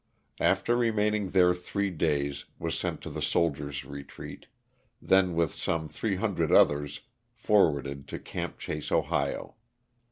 After remaining there three days was sent to the Soldier's Retreat, then with some three hundred others forwarded to ''Camp Chase," Ohio.